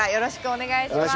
お願いします。